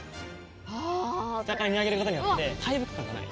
下から見上げることによって大木感がない？